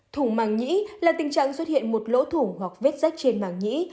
thủng màng nhĩ là tình trạng xuất hiện một lũ thủng hoặc vết rách trên màng nhĩ